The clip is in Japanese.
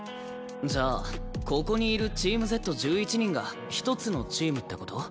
じゃあここにいるチームＺ１１人が１つのチームって事？